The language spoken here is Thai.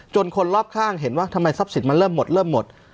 คนรอบข้างเห็นว่าทำไมทรัพย์สินมันเริ่มหมดเริ่มหมด